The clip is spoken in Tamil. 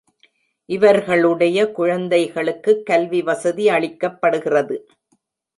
இவர்களுடைய குழந்தைகளுக்குக் கல்வி வசதி அளிக்கப்படுகிறது.